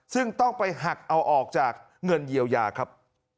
ซึ่งต้องไปหักเอาออกจากเงินเยียวยาครับ